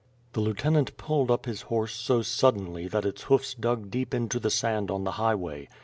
The lieutenant pulled up his horse so suddenly that its hoo fs dug deep into the sand on the highway.